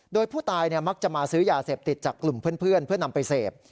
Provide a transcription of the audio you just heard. โดยผู้ตายมักจะมาซื้อยาเสพติดจากกลุ่มเพื่อนเพื่อนำไปเสพ